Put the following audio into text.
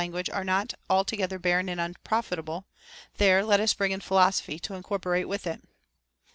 45 guage are not altogether barren and unprofitable, — there let us bring in philosophy to incorporate with it.